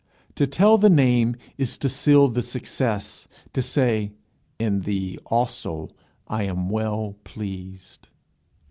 To tell the name is to seal the success to say, "In thee also I am well pleased."